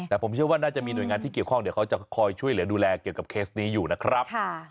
แต่ผมเชื่อว่าน่าจะมีหน่วยงานที่เกี่ยวข้องเดี๋ยวเขาจะคอยช่วยเหลือดูแลเกี่ยวกับเคสนี้อยู่นะครับ